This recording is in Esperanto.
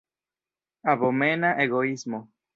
Abomena egoismo!